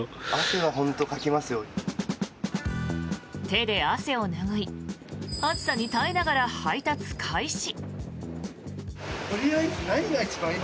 手で汗を拭い暑さに耐えながら配達開始。